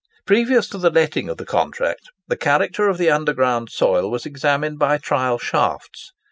Previous to the letting of the contract, the character of the underground soil was examined by trial shafts.